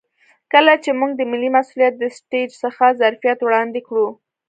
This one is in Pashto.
کله چې موږ د ملي مسوولیت له سټیج څخه ظرفیت وړاندې کړو.